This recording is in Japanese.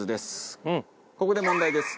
ここで問題です。